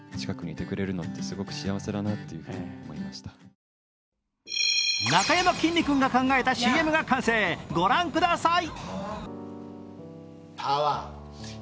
家族の反応はなかやまきんに君が考えたＣＭが完成、ご覧ください。